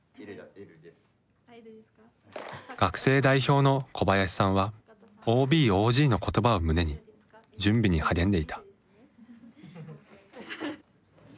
学生代表の小林さんはＯＢ・ＯＧの言葉を胸に準備に励んでいた。